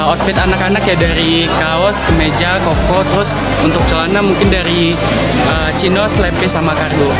outfit anak anak ya dari kaos ke meja kopo terus untuk celana mungkin dari cindos lempes sama kargo